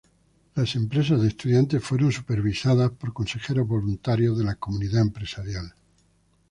Las empresas de estudiantes fueron supervisados por consejeros voluntarios de la comunidad empresarial.